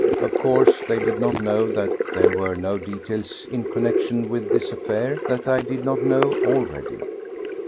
Of course, they did not know that there were no details in connexion with this affair that I did not know already.